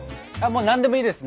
何でもいいです！